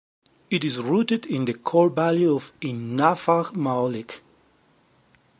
It is rooted in the core value of inafa'maolek.